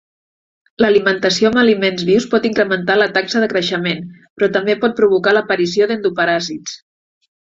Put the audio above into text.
L'alimentació amb aliments vius pot incrementar la taxa de creixement, però també pot provocar l'aparició d'endoparàsits.